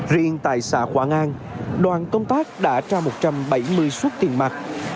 riêng tại xã quảng anh đoàn công tác đã trao một trăm bảy mươi suất tiền mặt